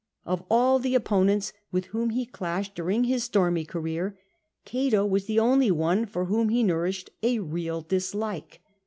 Of all the opponents with whom he clashed during his stormy career, Cato was the only one for whom he nourished a real dislike.